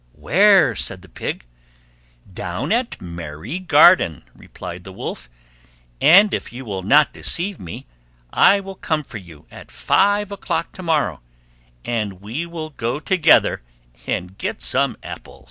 "Where?" said the Pig. "Down at Merry garden," replied the Wolf; "and if you will not deceive me I will come for you, at five o'clock to morrow, and we will go together and get some apples."